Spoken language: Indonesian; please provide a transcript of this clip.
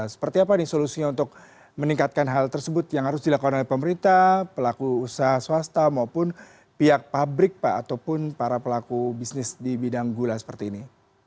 seperti apa nih solusinya untuk meningkatkan hal tersebut yang harus dilakukan oleh pemerintah pelaku usaha swasta maupun pihak pabrik pak ataupun para pelaku bisnis di bidang gula seperti ini